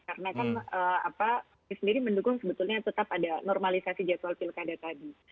karena kan apa sendiri mendukung sebetulnya tetap ada normalisasi jadwal pilkada tadi